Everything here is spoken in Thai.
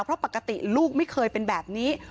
เพราะปกติลูกไม่เคยเป็นแบบนี้